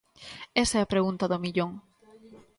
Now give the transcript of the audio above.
Esa é a pregunta do millón.